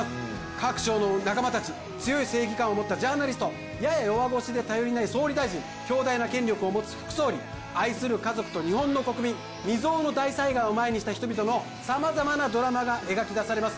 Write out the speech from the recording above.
各省の仲間達強い正義感を持ったジャーナリストやや弱腰で頼りない総理大臣強大な権力を持つ副総理愛する家族と日本の国民未曾有の大災害を前にした人々の様々なドラマが描き出されます